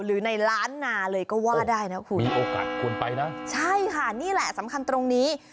หรือในล้านนาเลยก็ว่าได้นะคุณมีโอกาสควรไปนะใช่ค่ะนี่แหละสำคัญตรงนี้